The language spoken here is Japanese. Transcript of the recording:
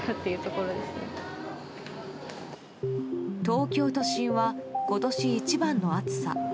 東京都心は今年一番の暑さ。